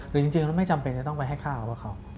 หรือจริงแล้วไม่จำเป็นจะต้องไปให้ข้าวกับเขา